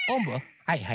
はいはい。